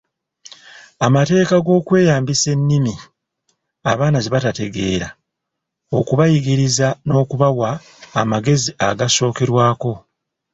Amateeka g’okweyambisa ennimi abaana ze batategeera okubayigiriza n’okubawa amagezi agasookerwako.